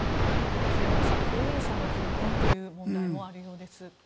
末延さん、高齢者の貧困という問題もあるようです。